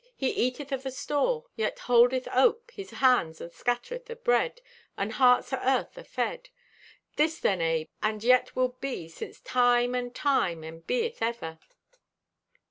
He eateth o' the store, yet holdeth ope His hands and scattereth o' bread And hearts o' Earth are fed. This then abe, and yet will be Since time and time, and beeth ever."